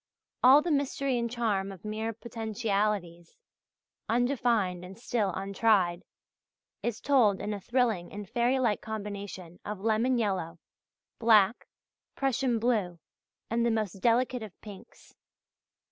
All the mystery and charm of mere potentialities, undefined and still untried, is told in a thrilling and fairy like combination of lemon yellow, black, Prussian blue, and the most delicate of pinks.